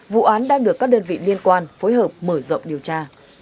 vụ án đang được các đơn vị liên quan phối hợp mở rộng điều tra